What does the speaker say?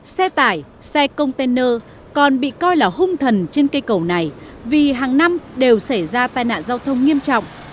xe tải xe container còn bị coi là hung thần trên cây cầu này vì hàng năm đều xảy ra tai nạn giao thông nghiêm trọng